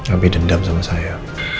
abi dendam sama saya